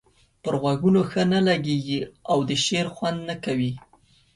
پر غوږونو ښه نه لګيږي او د شعر خوند نه کوي.